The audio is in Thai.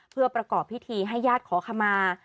เพื่อประกอบพิธีให้ญาติขอขมา